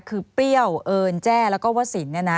คือเปรี้ยวเอิญแจ้แล้วก็ว่าศิลป์